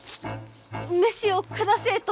飯を下せえと！